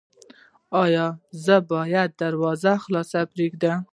ایا زه باید دروازه خلاصه پریږدم؟